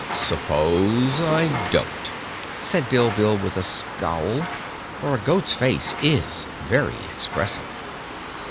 "Suppose I don't," said Bilbil, with a scowl, for a goat's face is very expressive.